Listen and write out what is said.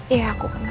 iya aku kenal